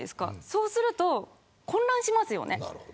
そうすると混乱しますよね。